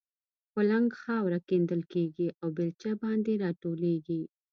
کولنګ خاوره کیندل کېږي او بېلچه باندې را ټولېږي.